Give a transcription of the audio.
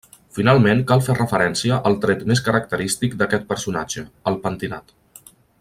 Finalment, cal fer referència al tret més característic d’aquest personatge: el pentinat.